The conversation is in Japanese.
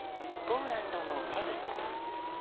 ポーランドのメディカ。